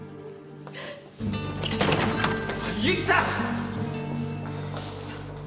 ゆきさん！